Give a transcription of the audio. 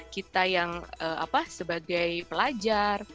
kita yang sebagai pelajar